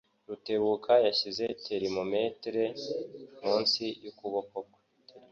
Rutebuka yashyize termometero munsi yukuboko kwe.